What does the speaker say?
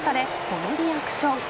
このリアクション。